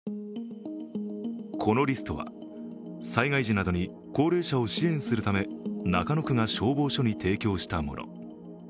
このリストは、災害時などに高齢者を支援するため中野区が消防署に提供したもの。